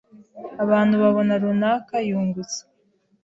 abantu babona runaka yungutse,